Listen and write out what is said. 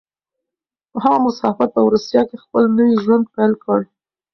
هغه مسافر په روسيه کې خپل نوی ژوند پيل کړ.